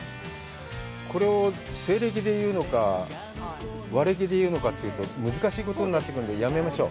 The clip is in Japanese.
これを西暦で言うのか、和暦で言うのかというと難しいことになってくるんで、やめましょう。